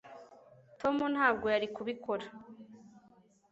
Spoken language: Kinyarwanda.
tom ntabwo yari kubikora